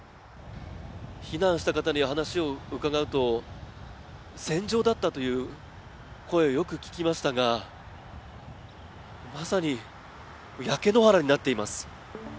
避難した方に話を伺うと、戦場だったという声をよく聞きましたがまさに焼け野原になっています。